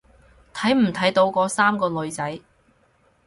睇唔睇到嗰三個女仔？